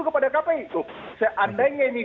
kepada kpi tuh seandainya ini